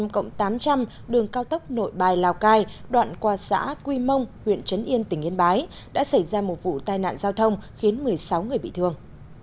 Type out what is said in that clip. cộng tám trăm linh đường cao tốc nội bài lào cai đoạn qua xã quy mông huyện trấn yên tỉnh yên bái đã xảy ra một vụ tai nạn giao thông khiến một mươi sáu người bị thương